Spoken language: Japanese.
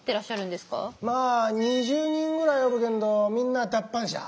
まあ２０人ぐらいおるけんどみんな脱藩者。